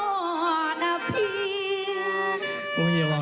อ้อกมาได้แจงใดว่ะ